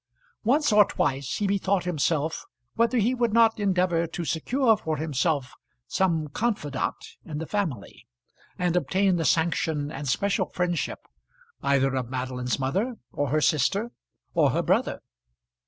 Once or twice he bethought himself whether he would not endeavour to secure for himself some confidant in the family, and obtain the sanction and special friendship either of Madeline's mother, or her sister, or her brother.